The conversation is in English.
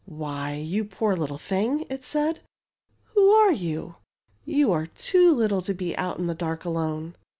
'^ Why, you poor little thing,'' it said, '' who are you? You are too little to be out in the dark alone.